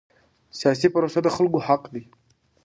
سیاسي پروسه د خلکو حق دی